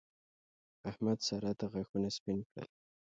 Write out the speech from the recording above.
احمد؛ سارا ته غاښونه سپين کړل.